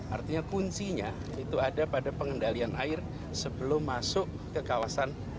artinya kuncinya itu ada pada pengendalian air sebelum masuk ke kawasan